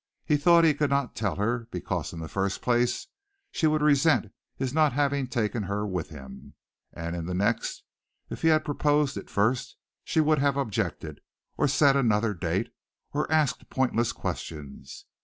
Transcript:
He thought he could not tell her because in the first place she would resent his not having taken her with him; and in the next, if he had proposed it first, she would have objected, or set another date, or asked pointless questions.